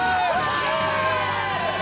イエーイ！